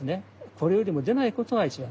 これよりも出ないことが一番大事。